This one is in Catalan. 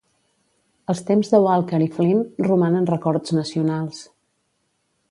Els temps de Walker i Flynn romanen rècords nacionals.